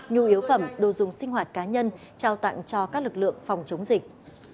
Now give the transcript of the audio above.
nhu yếu phẩm đồ dùng sinh hoạt cá nhân trao tặng cho các lực lượng phòng chống dịch